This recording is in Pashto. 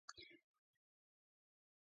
غول د ناروغۍ چیغه ده.